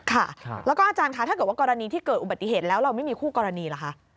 ค่ะแล้วก็อาจารย์คะถ้าเกิดว่ากรณีที่เกิดอุบัติเหตุแล้วเราไม่มีคู่กรณีล่ะคะ